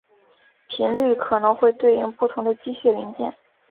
频率可能会对应不同的机械零件。